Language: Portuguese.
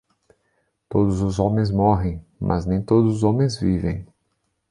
Todos os homens morrem, mas nem todos os homens vivem